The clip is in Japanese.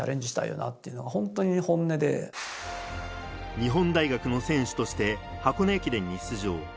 日本大学の選手として箱根駅伝に出場。